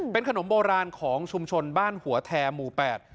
เป็นขนมโบราณของชุมชนบ้านหัวแทหมู่แปด